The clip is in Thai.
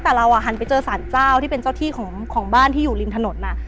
แต่เราหันไปเจอสารเจ้าที่เป็นเจ้าที่ของบ้านที่อยู่ริมถนน